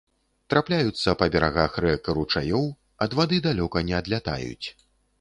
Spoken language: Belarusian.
Трапляюцца па берагах рэк і ручаёў, ад вады далёка не адлятаюць.